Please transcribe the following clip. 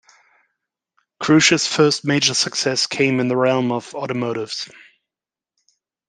Cruce's first major success came in the realm of automotives.